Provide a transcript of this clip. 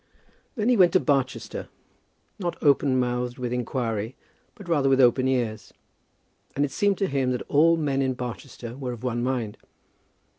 Then he went to Barchester; not open mouthed with inquiry, but rather with open ears, and it seemed to him that all men in Barchester were of one mind.